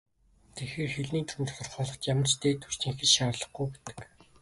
Тэгэхээр, хэлний дүрмийг тодорхойлоход ямар ч "дээд түвшний хэл" шаардлагагүй гэдэг.